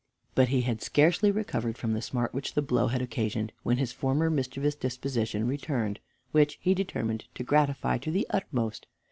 But he had scarcely recovered from the smart which the blow had occasioned when his former mischievous disposition returned, which he determined to gratify to the utmost.